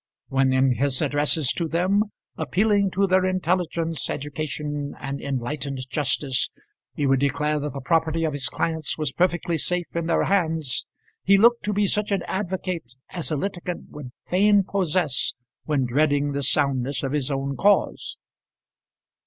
When in his addresses to them, appealing to their intelligence, education, and enlightened justice, he would declare that the property of his clients was perfectly safe in their hands, he looked to be such an advocate as a litigant would fain possess when dreading the soundness of his own cause.